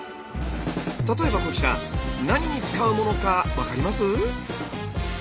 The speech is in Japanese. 例えばこちら何に使うものか分かります？